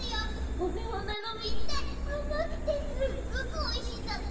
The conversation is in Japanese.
ホメホメのみってあまくてすっごくおいしいんだって。